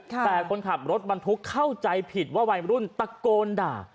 แต่คนขับรถบรรทุกเข้าใจผิดว่าวัยรุ่นตะโกนด่า